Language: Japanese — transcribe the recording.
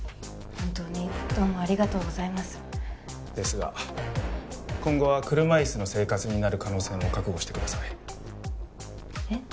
本当にどうもありがとうございますですが今後は車椅子の生活になる可能性も覚悟してくださいえっ？